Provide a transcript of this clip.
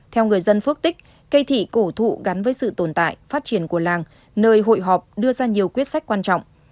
theo người dân phước tích cây thị cổ thụ gắn với sự tồn tại phát triển của làng nơi hội họp đưa ra nhiều quyết sách quan trọng